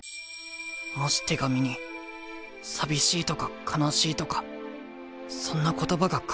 もし手紙に寂しいとか悲しいとかそんな言葉が書かれてあったら。